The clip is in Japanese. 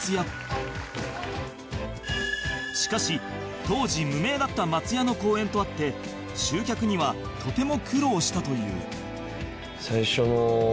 しかし当時無名だった松也の公演とあって集客にはとても苦労したという